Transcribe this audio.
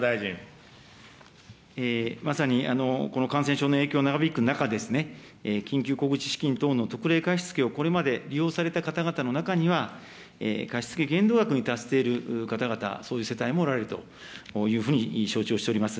まさに、この感染症の影響、長引く中、緊急小口資金等の特例貸し付けをこれまで利用された方々の中には、貸し付け限度額に達している方々、そういう世帯もおられるというふうに承知をしております。